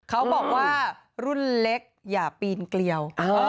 เขาบอกว่ารุ่นเล็กอย่าปีนเกลียว